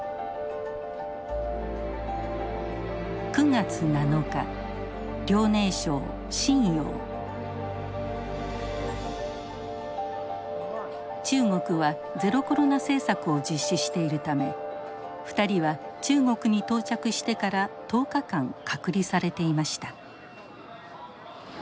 ９月７日中国は「ゼロコロナ」政策を実施しているため２人は中国に到着してから１０日間隔離されていました。